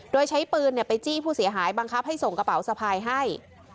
โดยใช้ปืนไปจี้ผู้เสียหายบังคับให้ส่งกระเป๋าสะพายให้